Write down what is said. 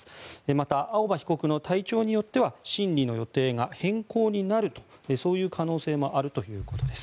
また、青葉被告の体調によっては審理の予定が変更になるとそういう可能性もあるということです。